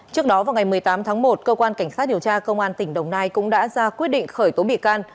trước đó vào ngày một mươi tám tháng một cơ quan cảnh sát điều tra công an tỉnh đồng nai cũng đã ra quyết định khởi tố bị can